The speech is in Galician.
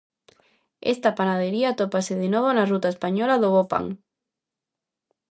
Esta panadería atópase de novo na ruta española do bo pan.